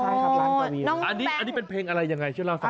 ใช่ครับล้างปวีร์นอันนี้เป็นเพลงอะไรยังไงช่วยเล่าสักครู่